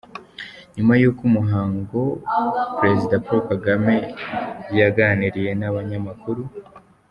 Nyuma y'uyu muhango, Perezida Paul Kagame yaganiriye n'abanyamakuru.